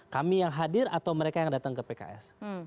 kami yang hadir atau mereka yang datang ke pks